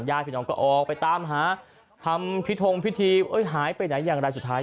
ญาติพี่น้องก็ออกไปตามหาทำพิธงพิธีหายไปไหนอย่างไรสุดท้าย